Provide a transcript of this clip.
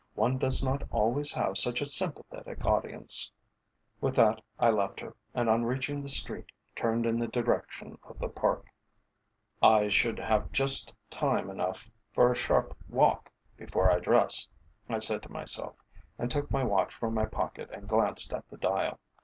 "One does not always have such a sympathetic audience." With that I left her, and on reaching the street turned in the direction of the Park. "I should have just time enough for a sharp walk before I dress," I said to myself, and took my watch from my pocket and glanced at the dial.